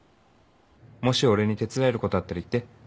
もし俺に手伝えることあったら言って。